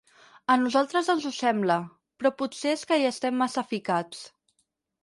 A nosaltres ens ho sembla, però potser és que hi estem massa ficats.